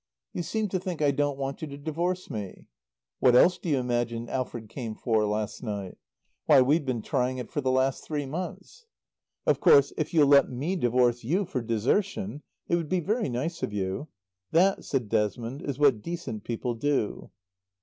You seem to think I don't want you to divorce me. What else do you imagine Alfred came for last night? Why we've been trying for it for the last three months. "Of course, if you'll let me divorce you for desertion, it would be very nice of you. That," said Desmond, "is what decent people do."